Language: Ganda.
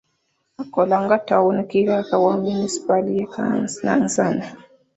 Akola nga tawuni kiraaka wa munisipaali y'e Nansana.